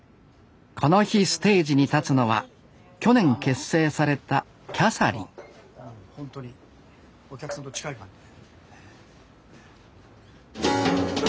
この日ステージに立つのは去年結成されたキャサリンほんとにお客さんと近い感じで。